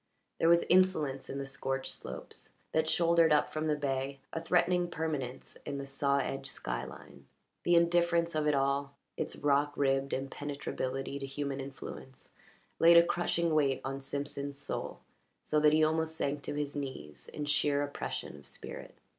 There was insolence in the scorched slopes that shouldered up from the bay, a threatening permanence in the saw edged sky line. The indifference of it all, its rock ribbed impenetrability to human influence, laid a crushing weight on Simpson's soul, so that he almost sank to his knees in sheer oppression of spirit.